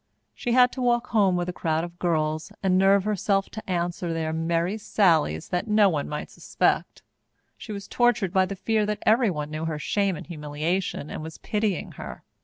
She had to walk home with a crowd of girls and nerve herself to answer their merry sallies that no one might suspect. She was tortured by the fear that everyone knew her shame and humiliation and was pitying her.